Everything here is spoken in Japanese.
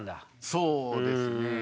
そうですね。